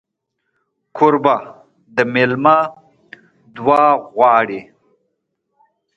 کوربه د مېلمه دعا غواړي.